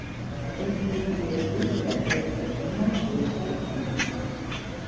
ერთი უკბილო ბერი და ერთი ყრმა ერთად ის